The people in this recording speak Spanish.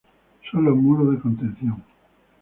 Son los muros de contención.